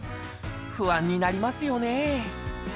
不安になりますよね。